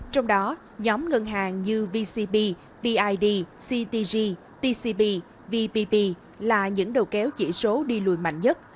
trong đó nhóm ngân hàng như vcb bid ctg tcb vpp là những đầu kéo chỉ số đi lùi mạnh nhất